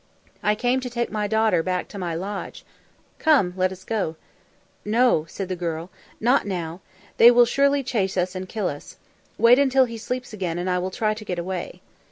"I came to take my daughter back to my lodge. Come, let us go." "No," said the girl, "not now. They will surely chase us and kill us. Wait until he sleeps again and I will try to get away."